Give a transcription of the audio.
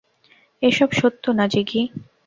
এসব সত্য না, জিগি।